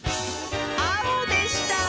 「あお」でした！